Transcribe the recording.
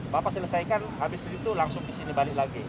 bapak selesaikan habis itu langsung di sini balik lagi